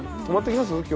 泊まっていきます？